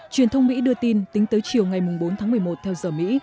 truyền thông mỹ đưa tin tính tới chiều ngày bốn tháng một mươi một theo giờ mỹ